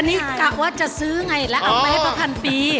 นี่กะว่าจะซื้อไงแล้วเอาไปให้ป้าพันปี